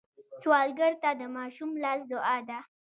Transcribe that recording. سوالګر ته د ماشوم لاس دعا ده